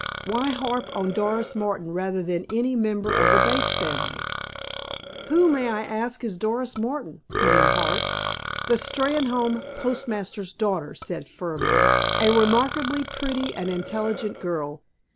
Why harp on Doris Martin rather than any member of the Bates family?" "Who, may I ask, is Doris Martin?" put in Hart. "The Steynholme postmaster's daughter," said Furneaux. "A remarkably pretty and intelligent girl.